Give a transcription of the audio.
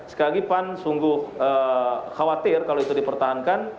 sekalipun sungguh khawatir kalau itu dipertahankan